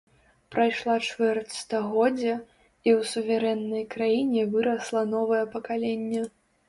Прайшла чвэрць стагоддзя, і ў суверэннай краіне вырасла новае пакаленне.